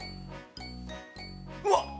うわっ。